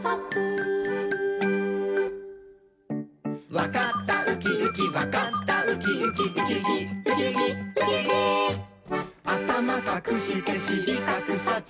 「わかったウキウキわかったウキウキ」「ウキウキウキウキウキウキ」「あたまかくしてしりかくさず」